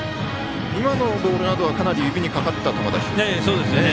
今のボールなどはかなり指にかかった球ですか。